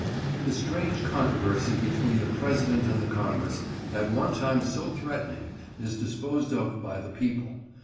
The strange controversy between the President and the Congress, at one time so threatening, is disposed of by the people.